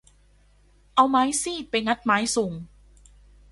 เอาไม้ซีกไปงัดไม้ซุง